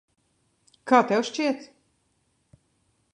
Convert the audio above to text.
Kā tev šķiet?